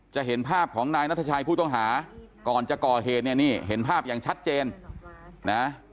จะเห็นภาพของนายนัทชัยผู้ต้องหาก่อนจะก่อเหตุเนี่ยนี่เห็นภาพอย่างชัดเจนนะ